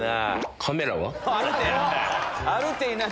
カメラは？